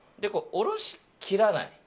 下ろしきらない。